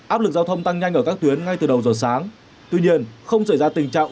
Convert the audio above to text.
áp lực giao thông tăng nhanh ở các tuyến ngay từ đầu giờ sáng tuy nhiên không xảy ra tình trạng